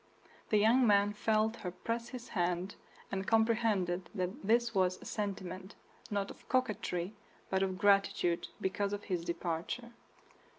The young man felt her press his hand, and comprehended that this was a sentiment, not of coquetry, but of gratitude because of his departure.